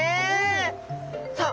さあ